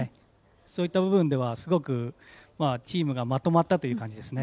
そういった部分ではすごくチームがまとまったという感じですね。